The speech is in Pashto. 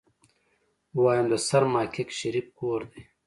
ويم د سرمحقق شريف کور دی.